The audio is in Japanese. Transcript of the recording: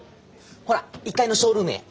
ほら１階のショールームへ。